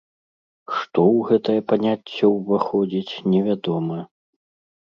Што ў гэтае паняцце ўваходзіць, невядома.